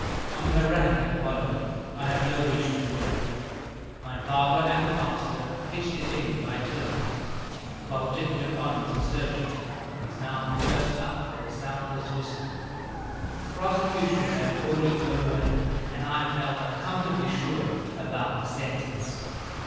On the harangue that followed I have no wish to dwell. My father and the pastor pitched it in by turns, while Dick went on with his surgery, his mouth pursed up for a soundless whistle. The prosecution had it all its own way, and I felt uncomfortably sure about the sentence.